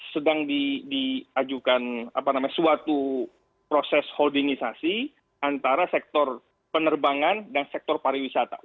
sedang diajukan suatu proses holdingisasi antara sektor penerbangan dan sektor pariwisata